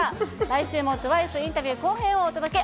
来週もＴＷＩＣＥインタビュー後編をお届け。